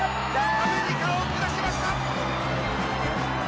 アメリカを下した。